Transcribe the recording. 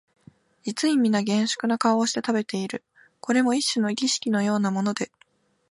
実にみな厳粛な顔をして食べている、これも一種の儀式のようなもので、